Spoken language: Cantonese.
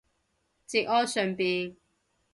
節哀順變